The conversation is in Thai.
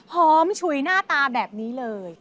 ฉุยหน้าตาแบบนี้เลย